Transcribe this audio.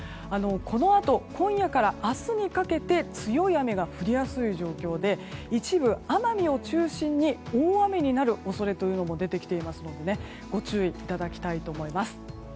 このあと、今夜から明日にかけて強い雨が降りやすい状況で一部、奄美を中心に大雨になる恐れというのも出てきていますのでご注意いただきたいと思います。